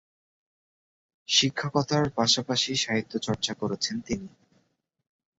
শিক্ষকতার পাশাপাশি সাহিত্যচর্চা করেছেন তিনি।